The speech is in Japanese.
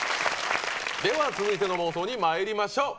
では続いての妄想にまいりましょう。